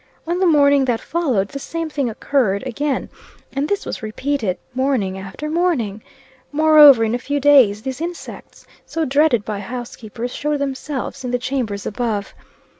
On the morning that followed, the same thing occurred again; and this was repeated, morning after morning. Moreover, in a few days, these insects, so dreaded by housekeepers, showed themselves in the chambers above.